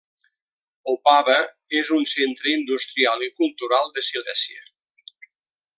Opava és un centre industrial i cultural de Silèsia.